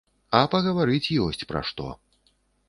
А пагаварыць ёсць пра што.